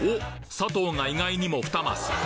佐藤が意外にも２マス。